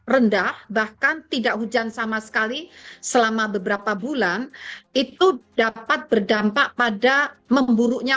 rendah bahkan tidak hujan sama sekali selama beberapa bulan itu dapat berdampak pada memburuknya